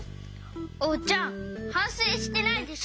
おうちゃんはんせいしてないでしょ。